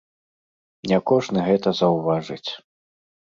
Не кожны гэта заўважыць.